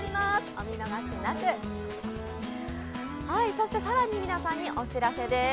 そして更に皆さんにお知らせです。